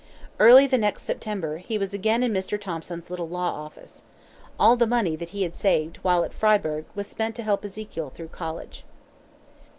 Early the next September, he was again in Mr. Thompson's little law office. All the money that he had saved, while at Fryeburg, was spent to help Ezekiel through college.